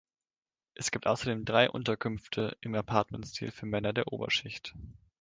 Es gibt außerdem drei Unterkünfte im Apartmentstil für Männer der Oberschicht.